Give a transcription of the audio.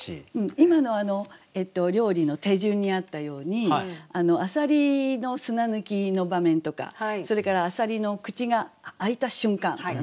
今の料理の手順にあったようにあさりの砂抜きの場面とかそれからあさりの口が開いた瞬間とかね